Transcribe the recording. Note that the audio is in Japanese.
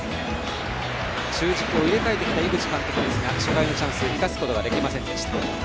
中軸を入れ替えてきた井口監督ですが初回のチャンスを生かすことができませんでした。